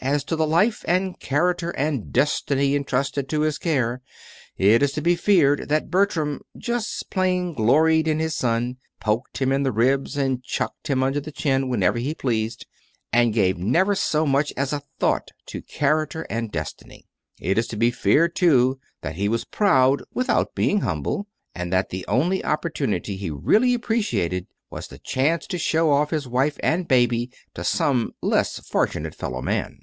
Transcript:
As to the Life and Character and Destiny intrusted to his care, it is to be feared that Bertram just plain gloried in his son, poked him in the ribs, and chuckled him under the chin whenever he pleased, and gave never so much as a thought to Character and Destiny. It is to be feared, too, that he was Proud without being Humble, and that the only Opportunity he really appreciated was the chance to show off his wife and baby to some less fortunate fellow man.